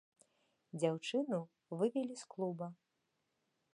Дзяўчыну вывелі з клуба.